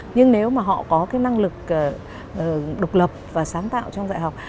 nhưng nếu mà họ có cái năng lực độc lập và sáng tạo trong dạy học